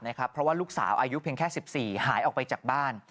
เพราะว่าลูกสาวอายุเพียงแค่๑๔หายออกไปจากบ้าน